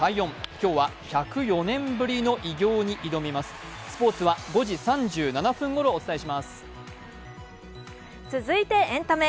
今日は１０４年ぶりの偉業に挑みます続いてエンタメ。